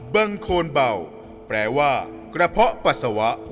บางคนเบาแปลว่ากระเพาะปัสสาวะ